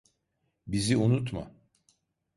Bizi unutma.